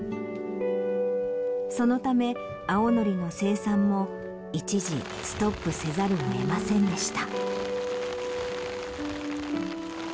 そのため青のりの生産も一時ストップせざるを得ませんでした。